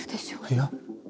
いや。